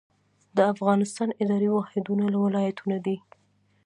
د افغانستان اداري واحدونه ولایتونه دي